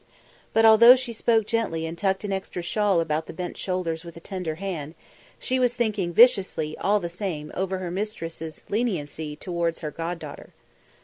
But although she spoke gently and tucked an extra shawl about the bent shoulders with a tender hand, she was thinking viciously all the same over her mistresses leniency towards her god daughter.